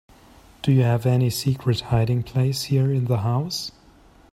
Do you have any secret hiding place here in the house?